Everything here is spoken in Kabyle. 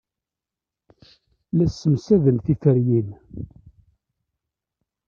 La ssemsaden tiferyin.